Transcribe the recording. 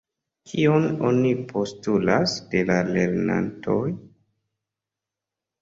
Kion oni postulas de la lernantoj?